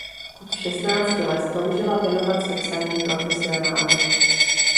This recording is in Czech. Od šestnácti let toužila věnovat se psaní profesionálně.